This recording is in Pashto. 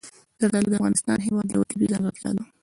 زردالو د افغانستان هېواد یوه طبیعي ځانګړتیا ده.